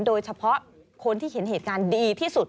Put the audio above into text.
โดยเฉพาะคนที่เห็นเหตุการณ์ดีที่สุด